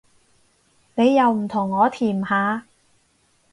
你又唔同我甜下